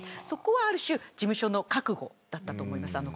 そこは、ある種、事務所の覚悟だったと思います。